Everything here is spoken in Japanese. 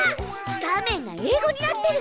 画面が英語になってる。